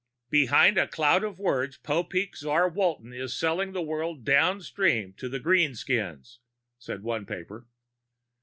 "Behind a cloud of words, Popeek czar Walton is selling the world downstream to the greenskins," said one paper.